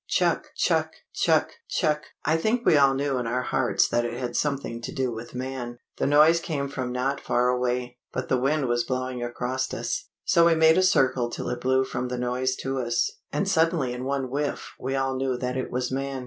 Chuck! chuck! chuck! chuck! I think we all knew in our hearts that it had something to do with man. The noise came from not far away, but the wind was blowing across us. So we made a circle till it blew from the noise to us; and suddenly in one whiff we all knew that it was man.